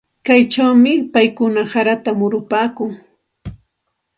Kaychawmi paykuna harata murupaakun.